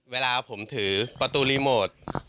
เวลาผมถือประตูรีโมท